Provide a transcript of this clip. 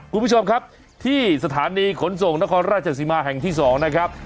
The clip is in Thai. คุณผู้ชมครับที่สถานีขนส่งนครราชสิมาแห่งที่๒นะครับ